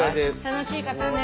楽しい方ね。